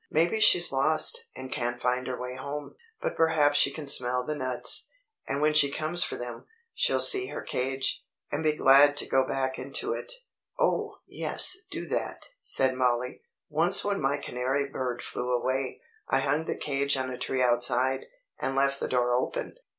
Maybe she's lost, and can't find her way home. But perhaps she can smell the nuts, and when she comes for them, she'll see her cage, and be glad to go back into it." "Oh, yes, do that," said Mollie. "Once when my canary bird flew away, I hung the cage on a tree outside, and left the door open.